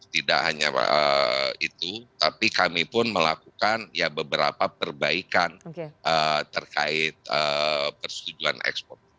tidak hanya itu tapi kami pun melakukan beberapa perbaikan terkait persetujuan ekspor